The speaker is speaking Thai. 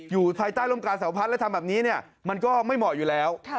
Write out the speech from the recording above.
อยู่ภายใต้ร่มกาเสาพัดแล้วทำแบบนี้มันก็ไม่เหมาะอยู่แล้ว